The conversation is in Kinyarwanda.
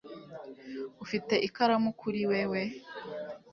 Ufite ikaramu kuri wewe